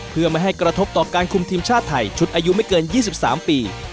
เพื่อไม่ให้กระทบต่อการคุมทีมชาติไทยชุดอายุไม่เกิน๒๓ปี